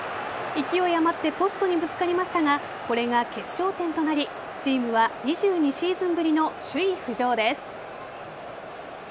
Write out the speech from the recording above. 勢い余ってポストにぶつかりましたがこれが決勝点となりチームは２２シーズンぶりの首位浮上です。